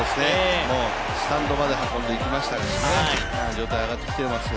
スタンドまで運んでいきましたからね、状態上がってきていますよ。